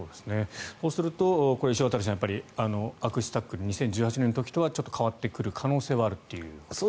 そうすると、石渡さん悪質タックル２０１８年の時とはちょっと変わってくる可能性はあるという。